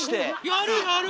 やるやる！